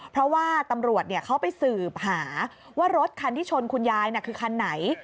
เพราะว่าตำรวจเขาไปสืบหาว่ารถคันที่ชนคุณยายคือคันไหน